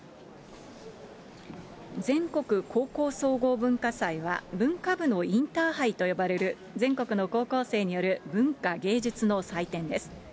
全国高校総合文化祭は文化部のインターハイと呼ばれる全国の高校生による文化・芸術の祭典です。